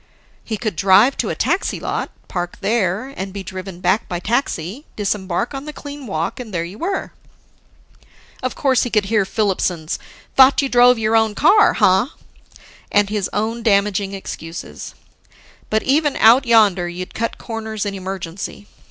He could drive to a taxi lot, park there, and be driven back by taxi, disembark on the clean walk, and there you were. Of course, he could hear Filipson's "Thought you drove your own car, ha?" and his own damaging excuses. But even Out Yonder, you'd cut corners in emergency.